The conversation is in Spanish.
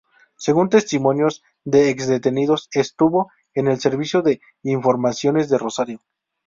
Según testimonios de ex detenidos, estuvo en el Servicio de Informaciones de Rosario.